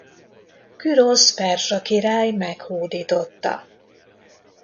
Kürosz perzsa király meghódította.